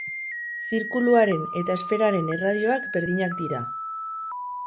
Zirkuluaren eta esferaren erradioak berdinak dira.